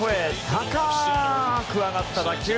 高ーく上がった打球。